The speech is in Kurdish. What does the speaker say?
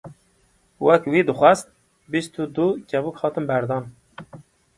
Wek wî dixwest, bîst û dû kevok hatin berdan.